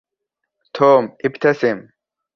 توم إبتسم.